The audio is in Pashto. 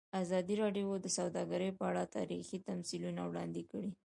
ازادي راډیو د سوداګري په اړه تاریخي تمثیلونه وړاندې کړي.